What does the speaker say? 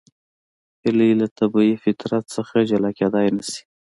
هیلۍ له طبیعي فطرت نه جلا کېدلی نشي